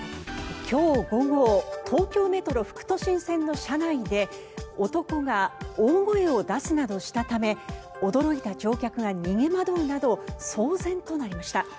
今日午後東京メトロ副都心線の車内で男が大声を出すなどしたため驚いた乗客が逃げ惑うなど騒然となりました。